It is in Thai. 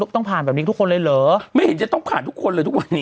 ต้องผ่านแบบนี้ทุกคนเลยเหรอ